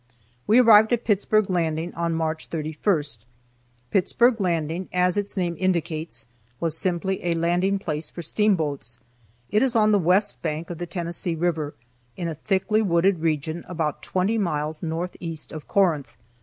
We arrived at Pittsburg Landing on March 31st. Pittsburg Landing, as its name indicates, was simply a landing place for steamboats. It is on the west bank of the Tennessee river, in a thickly wooded region about twenty miles northeast of Corinth.